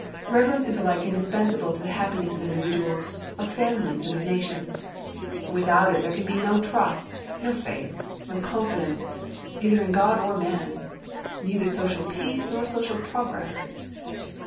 Reverence is alike indispensable to the happiness of individuals, of families, and of nations. Without it there can be no trust, no faith, no confidence, either in God or man—neither social peace nor social progress.